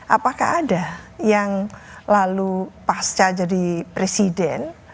apakah ada yang lalu pasca jadi presiden